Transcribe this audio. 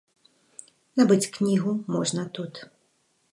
Набыць кнігу можна тут.